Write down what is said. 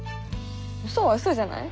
ウソはウソじゃない？